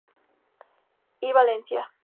E. Valencia.